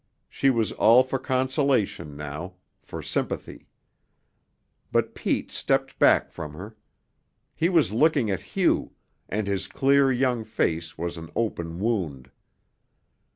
She was all for consolation now for sympathy. But Pete stepped back from her. He was looking at Hugh, and his clear, young face was an open wound.